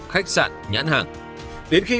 khách sạn nhãn hàng đến khi